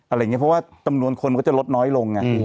อะไรอย่างนี้เพราะว่าจำนวนคนมันก็จะลดน้อยลง